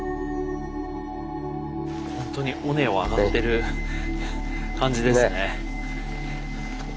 ほんとに尾根を上がってる感じですね。